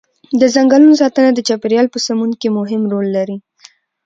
د ځنګلونو ساتنه د چاپیریال په سمون کې مهم رول لري.